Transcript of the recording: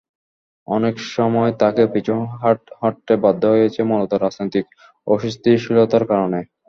অনেক সময় তাকে পিছু হটতে বাধ্য হয়েছে, মূলত রাজনৈতিক অস্থিতিশীলতার কারণে।